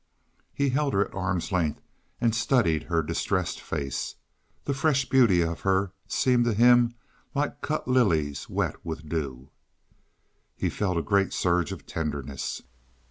He held her at arm's length and studied her distressed face. The fresh beauty of her seemed to him like cut lilies wet with dew. He felt a great surge of tenderness.